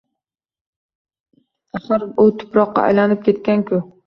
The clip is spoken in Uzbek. Axir u tuproqqa aylanib ketganku